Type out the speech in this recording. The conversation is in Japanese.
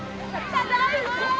ただいま！